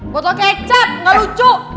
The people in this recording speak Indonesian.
botol kecap gak lucu